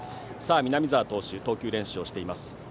南澤投手が投球練習しています。